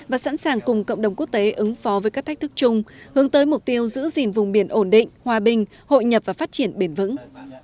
và sẵn sàng cùng cộng đồng quốc tế ứng phó với các thách thức chung hướng tới mục tiêu giữ gìn vùng biển ổn định hòa bình hội nhập và phát triển bền vững